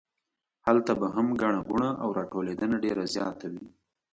هلته به هم ګڼه ګوڼه او راټولېدنه ډېره زیاته وي.